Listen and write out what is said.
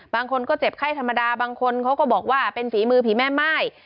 บางคนก็เจ็บไข้ธรรมดาบางคนเขาก็บอกว่าเป็นฝีมือผีแม่ม่าย